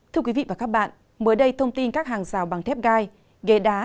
thưa quý vị và các bạn mới đây thông tin các hàng rào bằng thép gai ghé đá